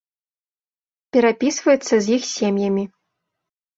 Перапісваецца з іх сем'ямі.